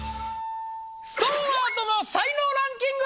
ストーンアートの才能ランキング！